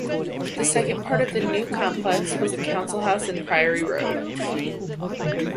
The second part of the new complex was the council house in Priory Road.